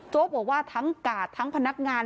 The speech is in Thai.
บอกว่าทั้งกาดทั้งพนักงาน